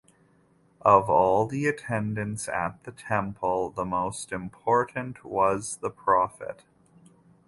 Of all the attendants at the temple, the most important was the prophet.